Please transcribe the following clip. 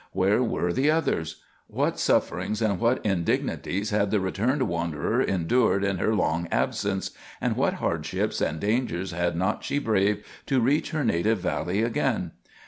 Where were the others? What sufferings and what indignities had the returned wanderer endured in her long absence, and what hardships and dangers had not she braved to reach her native valley again?